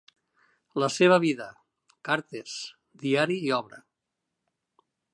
La seva vida, cartes, diari i obra.